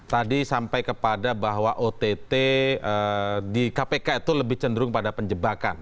tadi sampai kepada bahwa ott di kpk itu lebih cenderung pada penjebakan